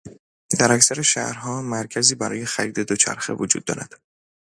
در اکثر شهرها، مرکزی برای خرید دوچرخه وجود دارد.